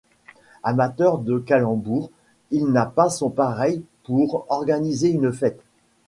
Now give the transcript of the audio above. Amateur de calembours, il n'a pas son pareil pour organiser une fête.